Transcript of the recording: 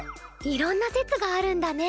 いろんな説があるんだね。